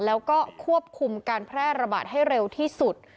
แล้วก็ควบคุมการแพร่ระบาดให้เร็วที่สุด